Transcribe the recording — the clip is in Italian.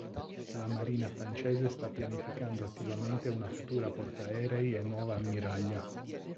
La Marina francese sta pianificando attivamente una futura portaerei e nuova ammiraglia.